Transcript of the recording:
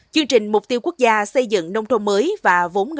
chương trình mục tiêu quốc gia